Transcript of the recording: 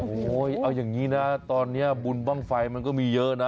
โอ้โหเอาอย่างนี้นะตอนนี้บุญบ้างไฟมันก็มีเยอะนะ